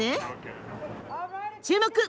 注目！